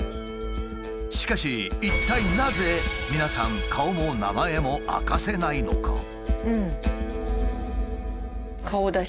しかし一体なぜ皆さん顔も名前も明かせないのか？